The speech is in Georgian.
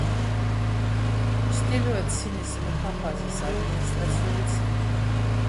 ჩრდილოეთ სინის მუჰაფაზის ადმინისტრაციული ცენტრი.